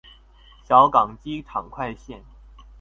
小港機場快線